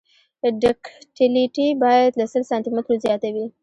ډکټیلیټي باید له سل سانتي مترو زیاته وي